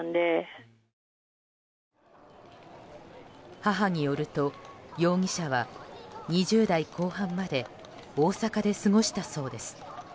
母によると容疑者は２０代後半まで大阪で過ごしたそうです。